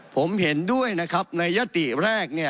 ผมเห็นด้วยนะครับในยติแรกเนี่ย